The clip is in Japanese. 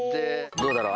どうだろう？